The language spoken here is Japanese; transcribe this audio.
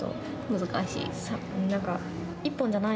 難しい？